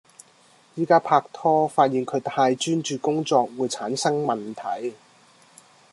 而家拍拖發現佢太專注工作會產生問題